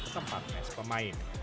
tempat mes pemain